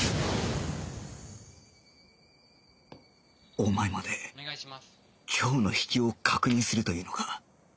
お前まで今日の引きを確認するというのか？